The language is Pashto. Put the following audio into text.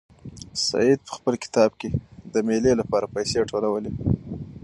سعید په خپل مکتب کې د مېلې لپاره پیسې ټولولې.